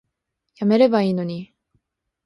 やめればいいのに